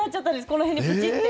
この辺でプチッて。